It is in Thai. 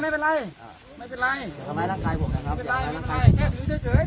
ปล่อย